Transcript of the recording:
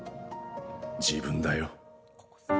自分だよ。